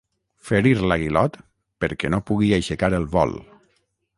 Ferir l'aguilot perquè no pugui aixecar el vol.